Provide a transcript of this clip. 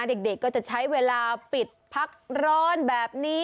เด็กก็จะใช้เวลาปิดพักร้อนแบบนี้